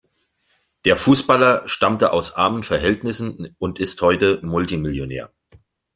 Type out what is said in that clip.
Der Fußballer stammte aus armen Verhältnissen und ist heute Multimillionär.